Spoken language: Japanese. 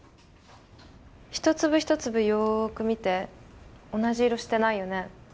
一粒一粒よーく見て同じ色してないよね？